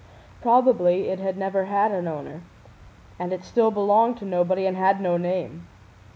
Probably it had never had an owner, and it still belonged to nobody and had no name.